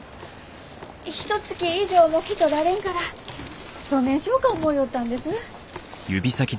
ひとつき以上も来とられんからどねえしようか思よったんです。